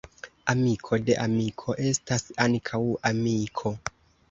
Amiko de amiko estas ankaŭ amiko.